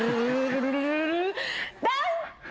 ダン！